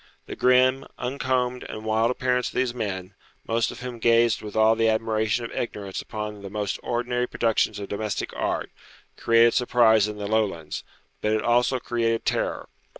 The grim, uncombed, and wild appearance of these men, most of whom gazed with all the admiration of ignorance upon the most ordinary productions of domestic art, created surprise in the Lowlands, but it also created terror.